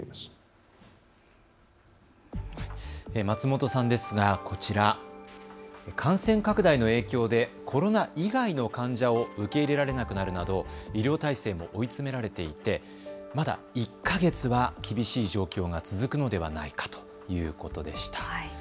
松本さんですが、こちら、感染拡大の影響でコロナ以外の患者を受け入れられなくなるなど医療体制も追い詰められていてまだ１か月は厳しい状況が続くのではないかということでした。